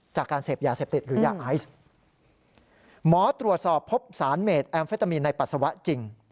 จากการเสพยาเสพติดหรือยาไอซ์หมอตรวจสอบพบสารเมดแอมเฟตามีนในปัสสาวะจริง